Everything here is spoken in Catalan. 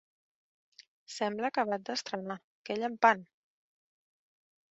Sembla acabat d'estrenar: que llampant!